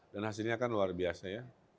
dan hasilnya kan luar biasa ya